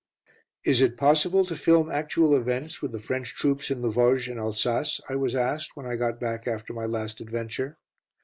"Is it possible to film actual events with the French troops in the Vosges and Alsace?" I was asked when I got back after my last adventure.